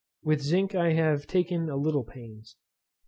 With zinc I have taken a little pains.